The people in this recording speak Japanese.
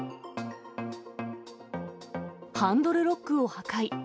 ハンドルロックを破壊。